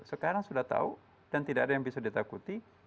sekarang sudah tahu dan tidak ada yang bisa ditakuti